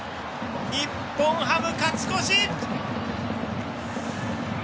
日本ハム、勝ち越し！